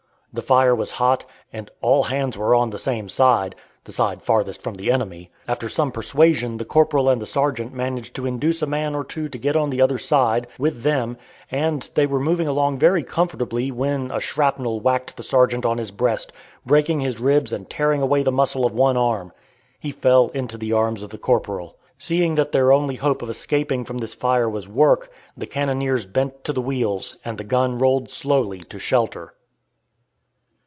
The fire was hot, and all hands were on the same side the side farthest from the enemy! After some persuasion the corporal and the sergeant managed to induce a man or two to get on the other side, with them, and they were moving along very comfortably when a shrapnel whacked the sergeant on his breast, breaking his ribs and tearing away the muscle of one arm. He fell into the arms of the corporal. Seeing that their only hope of escaping from this fire was work, the cannoniers bent to the wheels, and the gun rolled slowly to shelter.